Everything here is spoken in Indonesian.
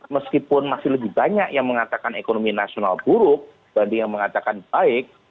meskipun masih lebih banyak yang mengatakan ekonomi nasional buruk dibanding yang mengatakan baik